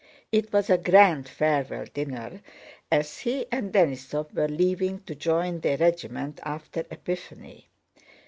It was a grand farewell dinner, as he and Denísov were leaving to join their regiment after Epiphany.